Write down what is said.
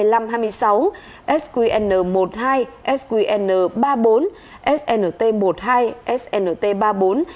đôi tàu khách khu đoàn se hai mươi năm hai mươi sáu sqn một mươi hai sqn ba mươi bốn snt một mươi hai snt ba mươi bốn